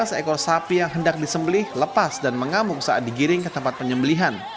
seekor sapi yang hendak disembelih lepas dan mengamuk saat digiring ke tempat penyembelihan